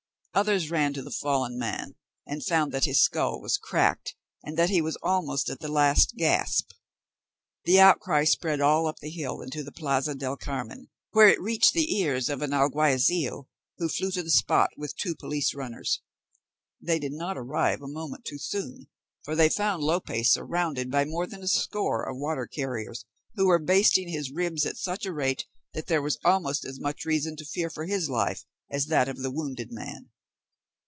Others ran to the fallen man, and found that his skull was cracked, and that he was almost at the last gasp. The outcry spread all up the hill, and to the Plaza del Carmen, where it reached the ears of an alguazil, who flew to the spot with two police runners. They did not arrive a moment too soon, for they found Lope surrounded by more than a score of water carriers, who were basting his ribs at such a rate that there was almost as much reason to fear for his life as that of the wounded man.